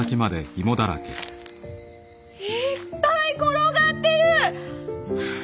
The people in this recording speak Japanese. いっぱい転がってる！